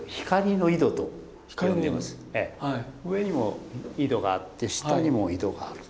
上にも井戸があって下にも井戸があると。